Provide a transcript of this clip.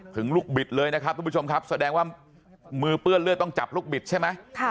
ถึงลูกบิดเลยนะครับทุกผู้ชมครับแสดงว่ามือเปื้อนเลือดต้องจับลูกบิดใช่ไหม